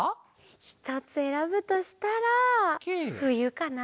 ひとつえらぶとしたらふゆかな！